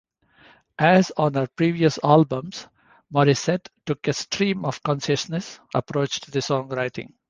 As on her previous albums, Morissette took a stream-of-consciousness approach to the songwriting.